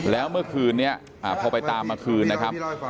แล้วเมื่อคืนนี้พอไปตามมาคืนนะครับ